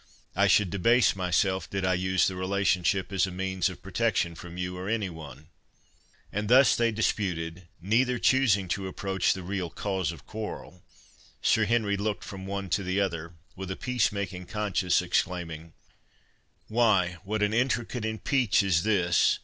I should debase myself did I use the relationship as a means of protection from you, or any one." As they thus disputed, neither choosing to approach the real cause of quarrel, Sir Henry looked from one to the other, with a peace making conscience, exclaiming— "'Why, what an intricate impeach is this?